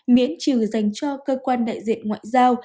miễn trừ dành cho cơ quan đại diện ngoại giao